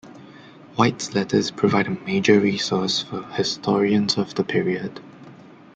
Whyte's letters provide a major resource for historians of the period.